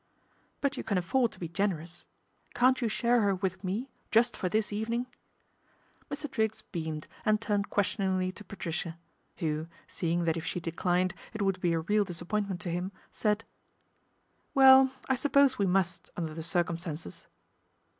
" But you can afford to be generous. Can't you share her with me, just for this evening ?" Mr. Triggs beamed and turned questioningly to Patricia, who, seeing that if she declined it would be a real disappointment to him, said :" Well, I suppose we must under the circum stances."